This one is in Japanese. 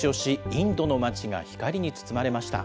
インドの街が光に包まれました。